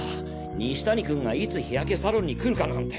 西谷君がいつ日焼けサロンに来るかなんて